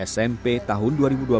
smp tahun dua ribu dua puluh